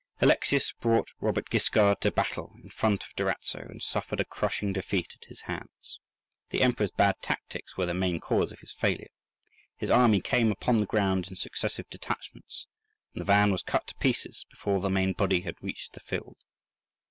Alexius brought Robert Guiscard to battle in front of Durazzo, and suffered a crushing defeat at his hands. The Emperor's bad tactics were the main cause of his failure: his army came upon the ground in successive detachments, and the van was cut to pieces before the main body had reached the field.